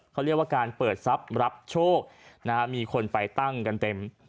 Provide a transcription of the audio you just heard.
เขาเรียกว่าการเปิดทรัพย์รับโชคนะฮะมีคนไปตั้งกันเต็ม